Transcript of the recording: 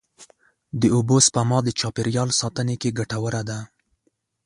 د اوبو سپما د چاپېریال ساتنې کې ګټوره ده.